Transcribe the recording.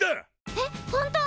えっ本当！？